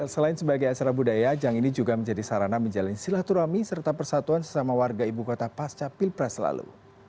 selain sebagai acara budaya yang ini juga menjadi sarana menjalin silaturahmi serta persatuan sesama warga ibu kota pasca pilpres lalu